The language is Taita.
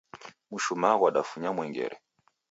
Mshumaa ghwadafunya mwengere.